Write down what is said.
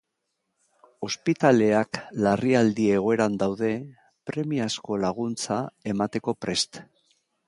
Ospitaleak larrialdi egoeran daude, premiazko laguntza emateko prest.